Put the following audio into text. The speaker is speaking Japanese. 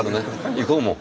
行こうもう。